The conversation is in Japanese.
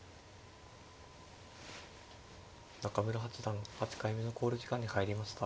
中村八段８回目の考慮時間に入りました。